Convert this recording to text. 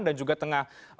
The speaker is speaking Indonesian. dan juga tengah